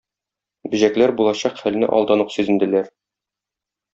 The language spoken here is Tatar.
Бөҗәклер булачак хәлне алдан ук сизенделәр.